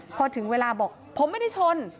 พอถึงเวลาบอกผมไม่ได้ชน